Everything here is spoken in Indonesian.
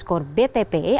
di akun twitternya